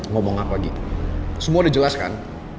ngomong apa gitu semua udah jelas kan